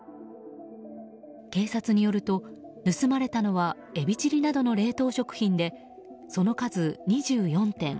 警察によると盗まれたのはエビチリなどの冷凍食品でその数２４点。